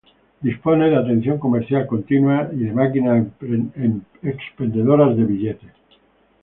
Dispone de atención comercial continua y de máquinas expendedoras de billetes.